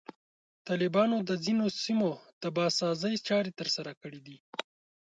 طالبانو د ځینو سیمو د بازسازي چارې ترسره کړي دي.